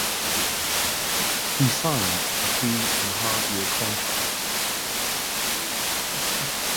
He signed a three-and-a-half-year contract.